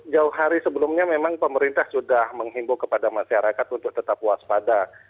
jauh hari sebelumnya memang pemerintah sudah menghimbau kepada masyarakat untuk tetap waspada